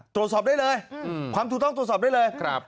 ตรวจสอบได้เลยความถูกต้องตรวจสอบได้เลย